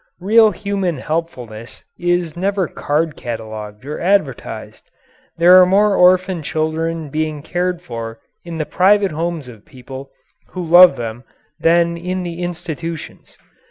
Real human helpfulness is never card catalogued or advertised. There are more orphan children being cared for in the private homes of people who love them than in the institutions.